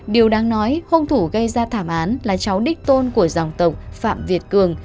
điều đáng nói hung thủ gây ra thảm án là cháu đích tôn của dòng tộc phạm việt cường